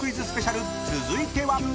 スペシャル続いては］